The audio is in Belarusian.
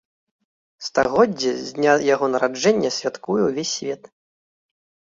Стагоддзе з дня яго нараджэння святкуе ўвесь свет.